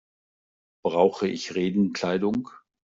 Brauche ich Regenkleidung?